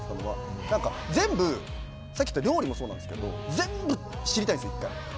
全部、さっき言った料理もそうなんですけど全部知りたいんです、１回。